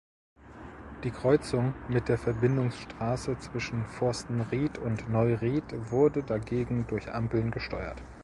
Die Kreuzung mit der Verbindungsstraße zwischen Forstenried und Neuried wurde dagegen durch Ampeln gesteuert.